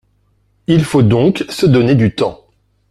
Il faut donc se donner du temps.